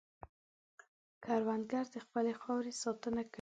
کروندګر د خپلې خاورې ساتنه کوي